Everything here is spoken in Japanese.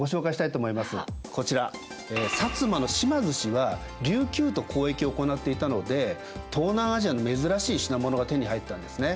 こちら摩の島津氏は琉球と交易を行っていたので東南アジアの珍しい品物が手に入ったんですね。